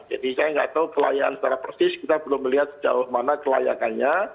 jadi saya nggak tahu kelayakan secara persis kita belum melihat sejauh mana kelayakannya